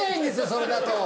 それだと。